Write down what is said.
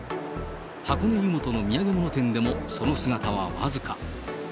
箱根湯本の土産物店でも、その姿は僅か。